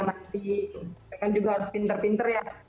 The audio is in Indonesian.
nanti kan juga harus pinter pinter ya